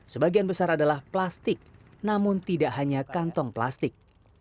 sebagian besar adalah plastik namun tidak hanya kantong plastik